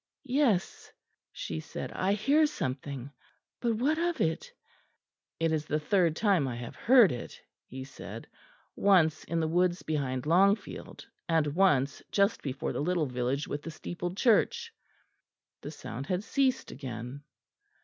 "Yes," she said, "I hear something; but what of it?" "It is the third time I have heard it," he said: "once in the woods behind Longfield, and once just before the little village with the steepled church." The sound had ceased again.